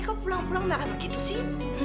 kok pulang pulang gak begitu sih